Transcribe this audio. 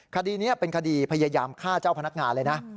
คดีนี้เป็นคดีพยายามฆ่าเจ้าพนักงานเลยนะ